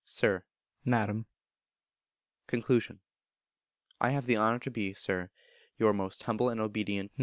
Sir (Madam). Con. I have the honour to be, Sir, Your most humble and obedient viii.